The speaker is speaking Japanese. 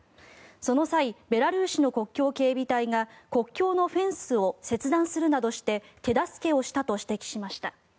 その際ベラルーシの国境警備隊が国境のフェンスを切断するなどして手助けをしたと指摘しました。